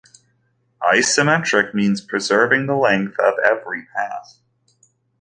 Isometric means preserving the length of every path.